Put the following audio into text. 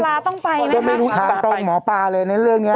หมอปลาต้องไปไหมคะต้องไปดูทางตรงหมอปลาเลยในเรื่องนี้